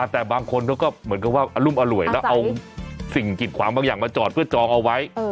แต่บางคนเขาก็เหมือนกับว่าอรุมอร่วยแล้วเอาสิ่งกิดขวางบางอย่างมาจอดเพื่อจองเอาไว้